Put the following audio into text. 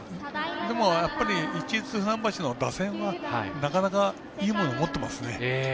でも、やっぱり市立船橋の打線はなかなか、いいものを持っていますね。